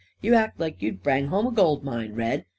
You act like you'd brang home a gold mine, Red.